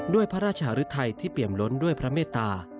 ด้วยพระราชหรือไทยที่เปี่ยมล้นด้วยพระเมตตา